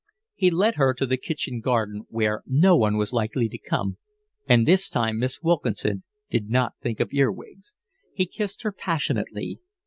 He led her to the kitchen garden where no one was likely to come, and this time Miss Wilkinson did not think of earwigs. He kissed her passionately.